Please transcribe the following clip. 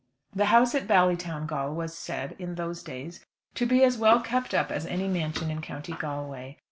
The house at Ballytowngal was said, in those days, to be as well kept up as any mansion in County Galway.